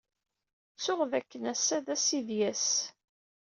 Ttuɣ dakken ass-a d asidyas.